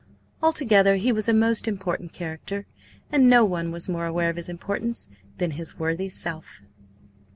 Altogether he was a most important character, and no one was more aware of his importance than his worthy self.